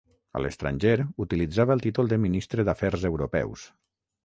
A l'estranger utilitzava el títol de Ministre d'Afers Europeus.